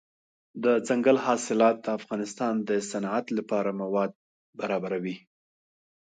دځنګل حاصلات د افغانستان د صنعت لپاره مواد برابروي.